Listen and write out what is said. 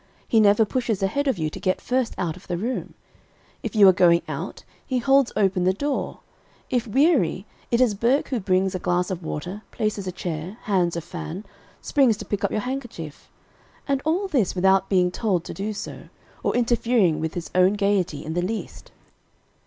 He never pushes ahead of you to get first out of the room. If you are going out, he holds open the door; if weary, it is Burke who brings a glass of water, places a chair, hands a fan, springs to pick up your handkerchief, and all this without being told to do so, or interfering with his own gayety in the least.